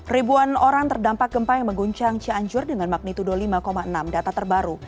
ribuan orang terdampak gempa yang mengguncang cianjur dengan magnitudo lima enam data terbaru